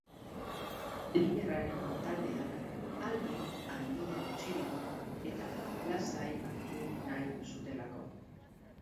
Liderraren taldeak alde handia utzi digu etapa lasai hartu nahi zutelako.